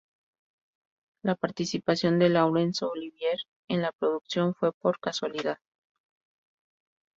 La participación de Laurence Olivier en la producción fue por casualidad.